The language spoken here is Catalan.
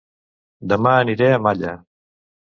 Dema aniré a Malla